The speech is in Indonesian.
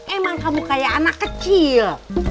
emang kamu kayak anak kecil